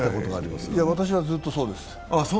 私はずっとそうです。